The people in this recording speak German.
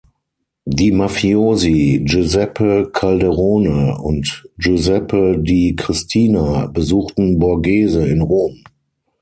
Die Mafiosi Giuseppe Calderone und Giuseppe Di Cristina besuchten Borghese in Rom.